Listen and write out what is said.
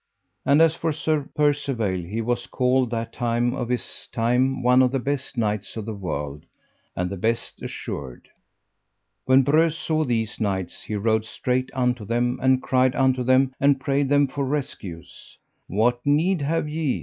And as for Sir Percivale, he was called that time of his time one of the best knights of the world, and the best assured. When Breuse saw these knights he rode straight unto them, and cried unto them and prayed them of rescues. What need have ye?